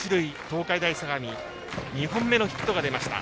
東海大相模、２本目のヒットが出ました。